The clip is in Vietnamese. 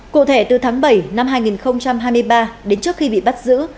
cụ thể từ tháng bảy năm hai nghìn hai mươi ba đến trước khi bị bắt giữ